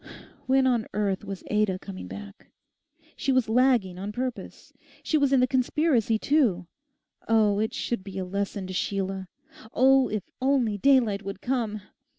When on earth was Ada coming back? She was lagging on purpose. She was in the conspiracy too. Oh, it should be a lesson to Sheila! Oh, if only daylight would come!